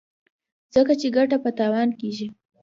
ځکه چې ګټه په تاوان کېږي.